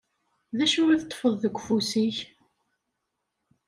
D acu i teṭṭfeḍ deg ufus-ik?